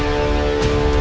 aku akan menangkapmu